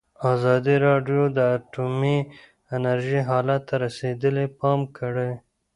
ازادي راډیو د اټومي انرژي حالت ته رسېدلي پام کړی.